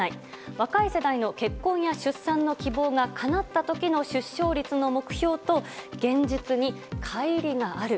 若い世代の結婚や出産の希望がかなった時の出生率の目標と現実に乖離がある。